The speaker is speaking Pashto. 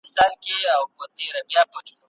لوستې نجونې په باور خبرې کوي.